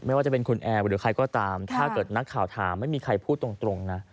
ไม่ว่าจะเป็นคุณแอร์หรือใครก็ตามถ้าเกิดนักข่าวถามไม่มีใครพูดตรงนะ